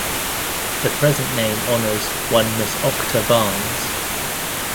The present name honors one Miss Octa Barnes.